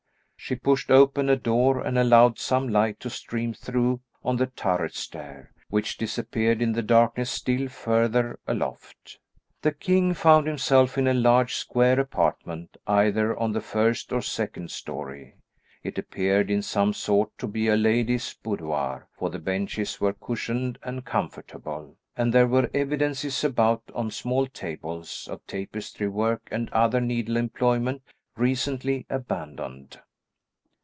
She pushed open a door and allowed some light to stream through on the turret stair, which disappeared in the darkness still further aloft. The king found himself in a large square apartment either on the first or second story. It appeared in some sort to be a lady's boudoir, for the benches were cushioned and comfortable, and there were evidences, about on small tables, of tapestry work and other needle employment recently abandoned.